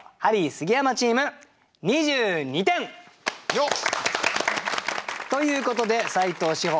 よっ！ということで斉藤志歩